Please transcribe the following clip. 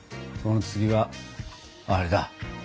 その次はあれだ。